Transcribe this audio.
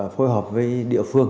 phối hợp với địa phương